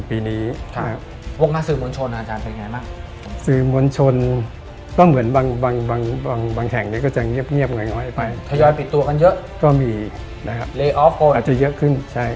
ปีหน้าอาจจะมีแต่ไม่เยอะเหมือนปีนี้